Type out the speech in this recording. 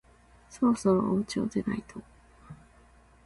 そろそろおうちを出ないと